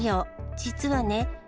実はね。